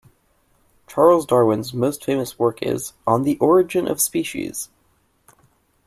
Charles Darwin's most famous work is On the Origin of Species.